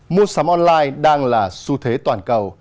mua sắm online đang là xu thế toàn cầu